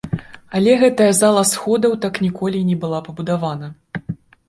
Але гэтая зала сходаў так ніколі і не была пабудавана.